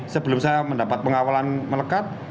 sebelum saya mendapat pengawalan melekat